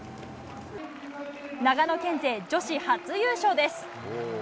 長野県勢、女子初優勝です。